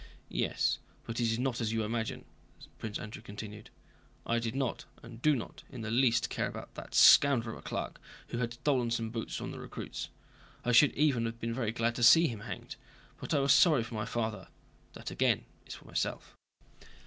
"Yes, but it is not as you imagine," Prince Andrew continued. "I did not, and do not, in the least care about that scoundrel of a clerk who had stolen some boots from the recruits; I should even have been very glad to see him hanged, but I was sorry for my father—that again is for myself."